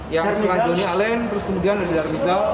yang selain joni allen terus kemudian radil arnizal